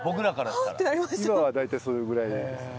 今は大体それぐらいですね。